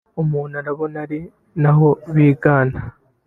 umuntu arabona ari naho bigana